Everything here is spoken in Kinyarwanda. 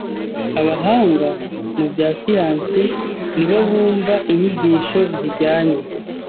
Abahanga mu bya siyansi ni bo bumva inyigisho zijyanye.